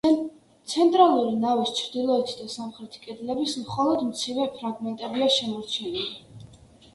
ცენტრალური ნავის ჩრდილოეთი და სამხრეთი კედლების მხოლოდ მცირე ფრაგმენტებია შემორჩენილი.